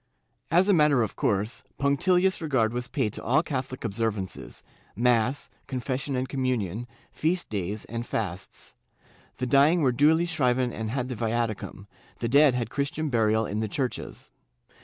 ^ As a matter of course, punctilious regard was paid to all Catho lic observances — mass, confession and communion, feast days and fasts. The dying were duly shriven and had the viaticum, the dead had Christian burial in the churches.